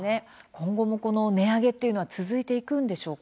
今後も値上げが続いていくんでしょうか。